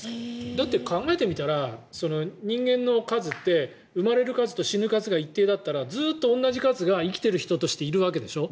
だって考えてみたら人間の数って生まれる数と死ぬ数が一定ならずっと同じ数が生きている人としているわけでしょ。